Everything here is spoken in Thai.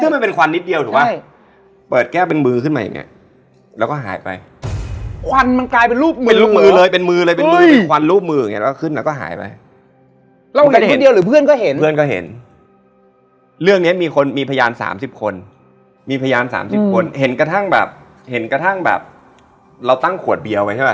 มีรถไม่เป็นไรนอนในรถได้